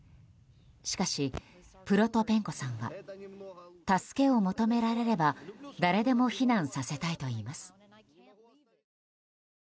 しかし、プロトペンコさんは助けを求められれば誰でも避難させたいといいます。